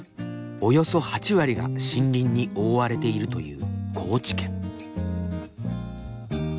およそ８割が森林に覆われているという高知県。